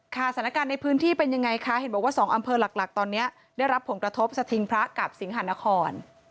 สถานการณ์ในพื้นที่เป็นยังไงคะเห็นบอกว่า๒อำเภอหลักตอนนี้ได้รับผลกระทบสถิงพระกับสิงหานคร